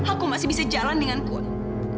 aku masih bisa jalan dengan kamu